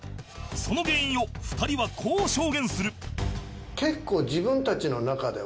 その原因を２人はこう証言する